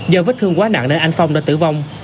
do vết thương quá nặng nên anh phong đã tử vong